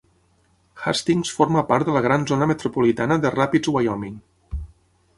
Hastings forma part de la gran zona metropolitana de Rapids-Wyoming.